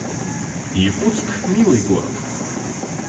Якутск — милый город